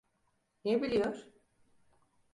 Ne biliyor?